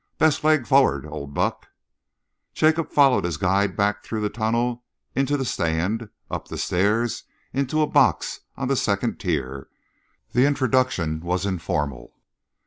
Best leg forward, old buck." Jacob followed his guide back through the tunnel, into the stand, up the stairs, and into a box on the second tier. The introduction was informal.